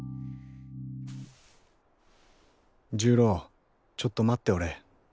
重郎ちょっと待っておれ。